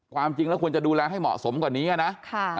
ความจริงแล้วควรจะดูแลให้เหมาะสมกว่านี้นะ